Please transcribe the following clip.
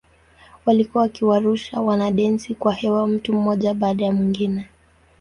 Walikuwa wakiwarusha wanadensi kwa hewa mtu mmoja baada ya mwingine.